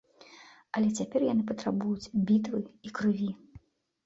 Але цяпер яны патрабуюць бітвы і крыві!